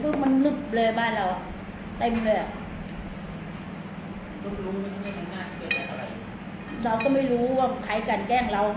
ก็มันนึกเลยบ้านเราเต็มเลยอ่ะเราก็ไม่รู้ว่าใครกันแกล้งเรา